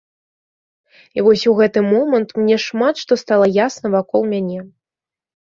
І вось у гэты момант мне шмат што стала ясна вакол мяне.